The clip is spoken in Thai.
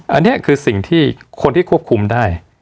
อันนี้คือสิ่งที่คนที่ควบคุมได้